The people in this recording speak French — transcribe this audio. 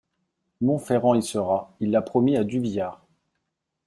Monferrand y sera, il l'a promis à Duvillard.